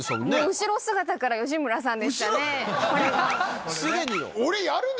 後ろ姿から吉村さんでしたね。